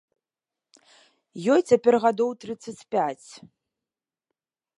Ёй цяпер гадоў трыццаць пяць.